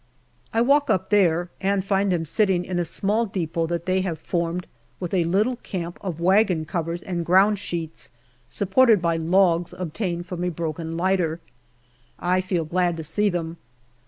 I walk up there and find them sitting in a small depot that they have formed, with a little camp of wagon covers and ground sheets, supported by logs obtained from a broken lighter. I feel glad to see them.